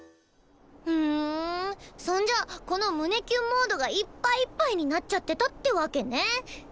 ふんそんじゃこの「胸キュンモード」がいっぱいいっぱいになっちゃってたってわけね。